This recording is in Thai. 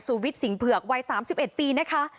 วิทยสิงเผือกวัย๓๑ปีนะคะ